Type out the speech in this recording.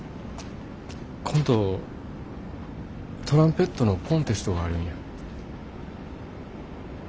今度トランペットのコンテストがあるんや。